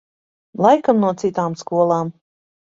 Laikam no citām skolām.